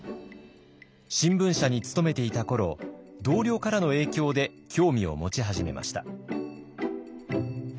新聞社に勤めていた頃同僚からの影響で興味を持ち始めました。